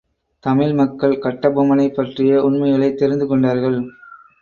தமிழ் மக்கள் கட்டபொம்மனைப் பற்றிய உண்மைகளைத் தெரிந்து கொண்டார்கள்.